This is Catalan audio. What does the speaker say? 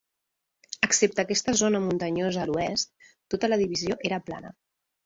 Excepte aquesta zona muntanyosa a l'oest, tota la divisió era plana.